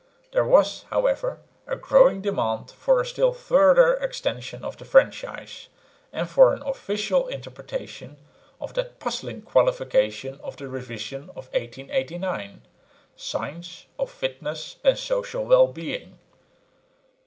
There was, however, a growing demand for a still further extension of the franchise, and for an official interpretation of that puzzling qualification of the Revision of 1889 "signs of fitness and social well being."